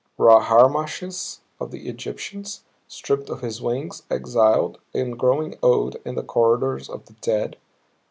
Ra Harmachis, of the Egyptians, stripped of his wings, exiled and growing old in the corridors of the Dead?